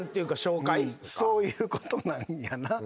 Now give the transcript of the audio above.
そういうことなんやな。